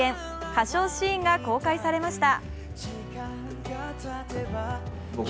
歌唱シーンが公開されました。